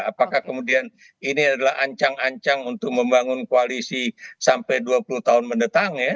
apakah kemudian ini adalah ancang ancang untuk membangun koalisi sampai dua puluh tahun mendatang ya